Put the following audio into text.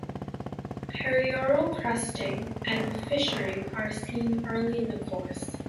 Perioral crusting and fissuring are seen early in the course.